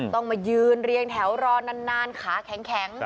ต้องมายืนเรียงแถวรอนานขาแข็ง